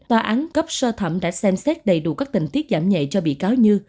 tòa án cấp sơ thẩm đã xem xét đầy đủ các tình tiết giảm nhẹ cho bị cáo như